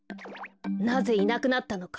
なぜいなくなったのか。